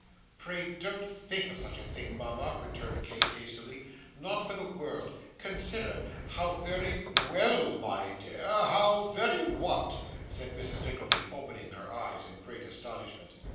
'Pray don't think of such a thing, mama,' returned Kate, hastily; 'not for the world. Consider. How very ' 'Well, my dear, how very what?' said Mrs. Nickleby, opening her eyes in great astonishment.